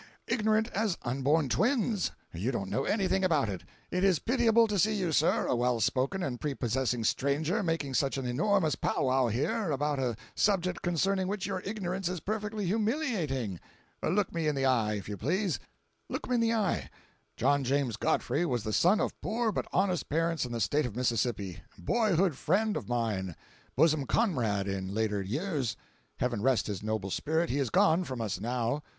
ignorant as unborn twins! You don't know anything about it! It is pitiable to see you, sir, a well spoken and prepossessing stranger, making such an enormous pow wow here about a subject concerning which your ignorance is perfectly humiliating! Look me in the eye, if you please; look me in the eye. John James Godfrey was the son of poor but honest parents in the State of Mississippi—boyhood friend of mine—bosom comrade in later years. Heaven rest his noble spirit, he is gone from us now.